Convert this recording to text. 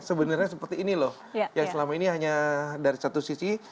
sebenarnya seperti ini loh yang selama ini hanya dari satu sisi